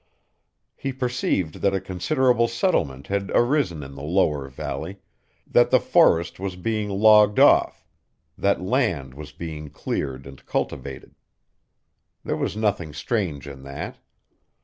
He perceived that a considerable settlement had arisen in the lower valley, that the forest was being logged off, that land was being cleared and cultivated. There was nothing strange in that.